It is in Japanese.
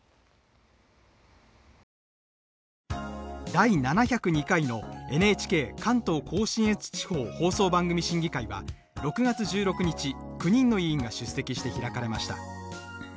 第７０２回のＮＨＫ関東甲信越地方放送番組審議会は６月１６日９人の委員が出席して開かれました。